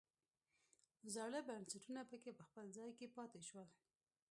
زاړه بنسټونه پکې په خپل ځای پاتې شول.